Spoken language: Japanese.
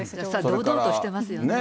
堂々としてますよね。